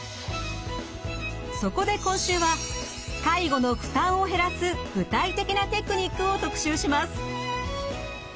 そこで今週は介護の負担を減らす具体的なテクニックを特集します。